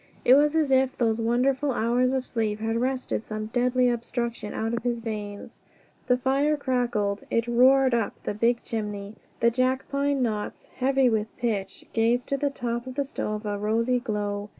It was as if those wonderful hours of sleep had wrested some deadly obstruction out of his veins. The fire crackled. It roared up the big chimney. The jack pine knots, heavy with pitch, gave to the top of the stove a rosy glow.